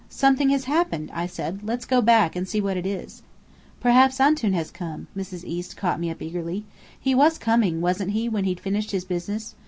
"Something has happened!" I said. "Let's go back, and see what it is." "Perhaps Antoun has come!" Mrs. East caught me up eagerly. "He was coming, wasn't he, when he'd finished his business?